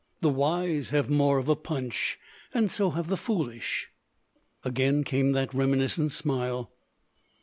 The wise have more of a punch, and so have the foolish." Again came that reminiscent smile.